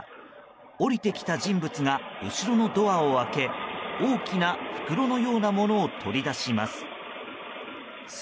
降りてきた人物が後ろのドアを開け大きな袋のようなものを取り出します。